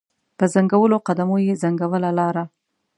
په ځنګولو قدمو یې ځنګوله لاره